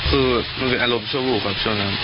คือมันเป็นอารมณ์ชั่ววูบครับช่วงนั้น